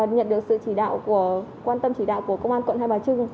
nhận được sự chỉ đạo của quan tâm chỉ đạo của công an quận hai bà trưng